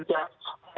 jadi yakinlah bahwa